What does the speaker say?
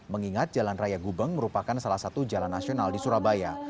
mengingat jalan raya gubeng merupakan salah satu jalan nasional di surabaya